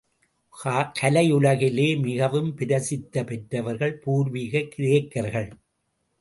கலை உலகிலே மிகவும் பிரசித்தி பெற்றவர்கள் பூர்வீக கிரேக்கர்கள்.